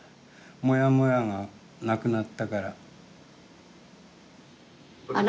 もやもやがなくなったから。